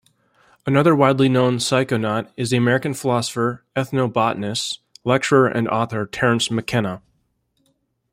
Another widely known psychonaut is the American philosopher, ethnobotanist, lecturer, and author Terence McKenna.